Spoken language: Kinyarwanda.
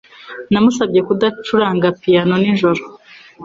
Namusabye kudacuranga piyano nijoro